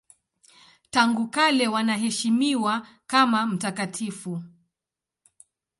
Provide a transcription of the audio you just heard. Tangu kale wanaheshimiwa kama mtakatifu.